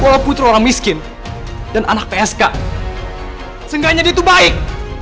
walaupun orang miskin dan anak psk seenggaknya itu baik